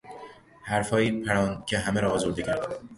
حرفهایی پراند که همه را آزرده کرد.